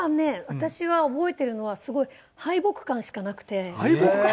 私は覚えてるのはすごい敗北感しかなくて」「敗北感？」